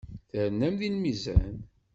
Ternam deg lmizan.